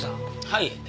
はい。